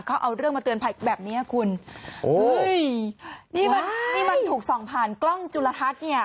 เขาเอาเรื่องมาเตือนภัยแบบเนี้ยคุณโอ้ยนี่มันที่มันถูกส่องผ่านกล้องจุลทัศน์เนี่ย